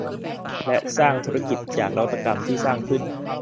และสร้างธุรกิจจากนวัตกรรมที่สร้างขึ้น